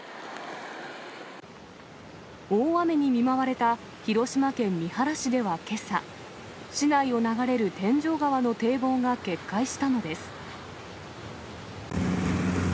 大雨に見舞われた広島県三原市ではけさ、市内を流れる天井川の堤防が決壊したのです。